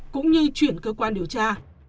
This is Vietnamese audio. cũng như chuyển cơ quan điều tra